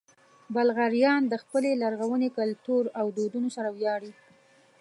بلغاریان د خپل لرغوني کلتور او دودونو سره ویاړي.